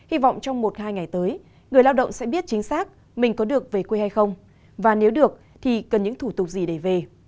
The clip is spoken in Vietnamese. hy vọng trong một hai ngày tới người lao động sẽ biết chính xác mình có được về quê hay không và nếu được thì cần những thủ tục gì để về